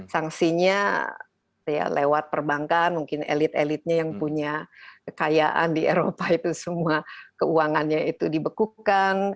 sanksinya ya lewat perbankan mungkin elit elitnya yang punya kekayaan di eropa itu semua keuangannya itu dibekukan